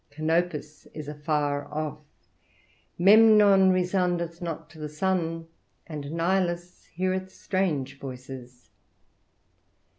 Canopus is afar off, Memnon resoundeth not to the sun, and Nilus heareth strange voices.